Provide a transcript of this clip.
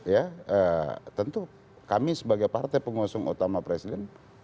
ya tentu kami sebagai partai pengusung utama presiden